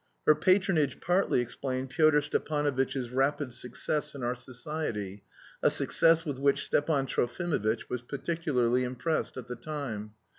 Her patronage partly explained Pyotr Stepanovitch's rapid success in our society a success with which Stepan Trofimovitch was particularly impressed at the time.